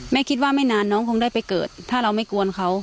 คิดว่าไม่นานน้องคงได้ไปเกิดถ้าเราไม่กวนเขา